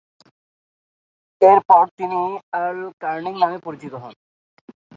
এরপর তিনি Earl Canning নামে পরিচিত হন।